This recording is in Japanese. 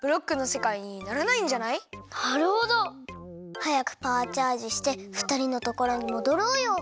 はやくパワーチャージしてふたりのところにもどろうよ。